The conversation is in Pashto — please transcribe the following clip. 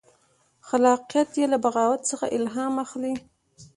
خلاقیت یې له بغاوت څخه الهام اخلي.